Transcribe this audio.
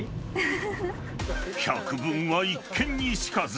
［百聞は一見にしかず。